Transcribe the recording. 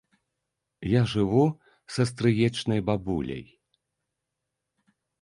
Я жыву са стрыечнай бабуляй.